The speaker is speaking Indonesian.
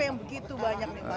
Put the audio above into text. yang begitu banyak nih pak